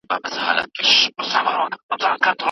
مګر ستا له برکته زه نن پوه په حقیقت سوم